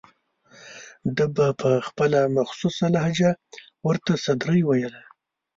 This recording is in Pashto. ده به په خپله مخصوصه لهجه ورته سدرۍ ویله.